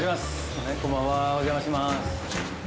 こんばんはお邪魔します。